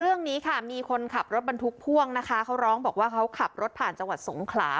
เรื่องนี้ค่ะมีคนขับรถบรรทุกพ่วงนะคะเขาร้องบอกว่าเขาขับรถผ่านจังหวัดสงขลา